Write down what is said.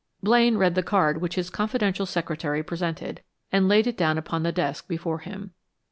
Blaine read the card which his confidential secretary presented, and laid it down upon the desk before him.